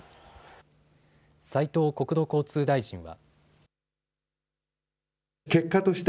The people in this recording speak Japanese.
斉藤国土交通大臣は。